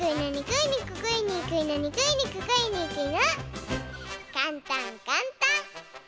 かんたんかんたん。